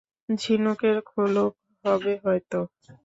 ঝিনুকের খোলক হবে হয়তো?